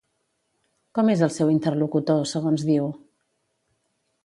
Com és el seu interlocutor, segons diu?